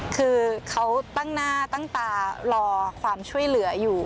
คือเขาตั้งหน้าตั้งตารอความช่วยเหลืออยู่